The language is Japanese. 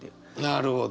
なるほど！